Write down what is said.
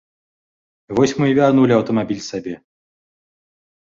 Вось мы і вярнулі аўтамабіль сабе.